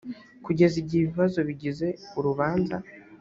kugeza igihe ibibazo bigize urubanza